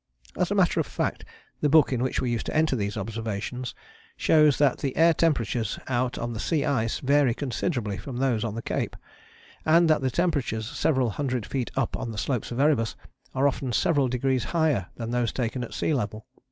As a matter of fact the book in which we used to enter these observations shows that the air temperatures out on the sea ice vary considerably from those on the cape, and that the temperatures several hundred feet up on the slopes of Erebus are often several degrees higher than those taken at sea level.